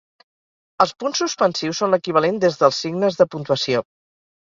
Els punts suspensius són l'equivalent des dels signes de puntuació.